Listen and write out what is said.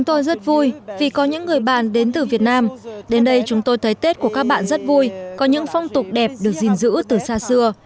tôi rất vui vì có những người bạn đến từ việt nam đến đây chúng tôi thấy tết của các bạn rất vui có những phong tục đẹp được gìn giữ từ xa xưa